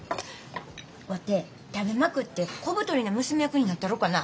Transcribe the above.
ワテ食べまくって小太りな娘役になったろかな。